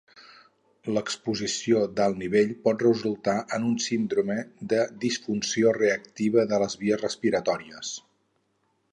L'exposició d'alt nivell pot resultar en un síndrome de disfunció reactiva de les vies respiratòries.